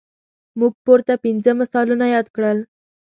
موږ پورته پنځه مثالونه یاد کړل.